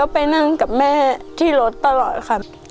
ไปนั่งกับแม่ที่รถตลอดครับ